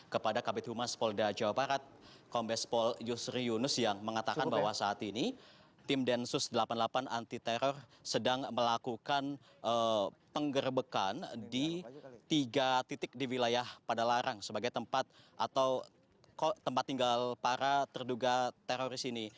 kepada kabupaten polda jawa barat kompes pol yusri yunus yang mengatakan bahwa saat ini tim densus delapan puluh delapan anti terror sedang melakukan penggerbekan di tiga titik di wilayah pada larang sebagai tempat tinggal para terduga teroris ini